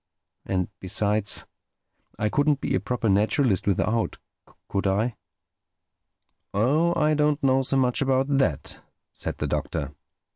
And besides, I couldn't be a proper naturalist without, could I?" "Oh, I don't know so much about that," said the Doctor.